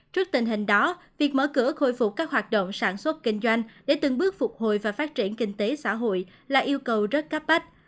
trước tình hình đó việc mở cửa khôi phục các hoạt động sản xuất kinh doanh để từng bước phục hồi và phát triển kinh tế xã hội là yêu cầu rất cấp bách